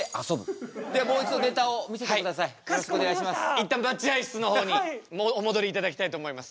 一旦待合室の方にお戻りいただきたいと思います。